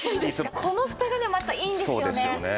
このふたがねまたいいんですよね。